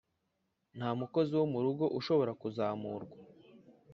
nta mukozi wo murugo ushobora kuzamurwa